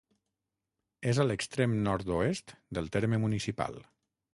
És a l'extrem nord-oest del terme municipal.